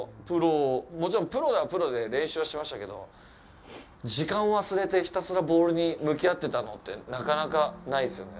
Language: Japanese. もちろんプロはプロで練習はしてましたけど時間を忘れて、ひたすらボールに向き合ってたのってなかなかないですよね。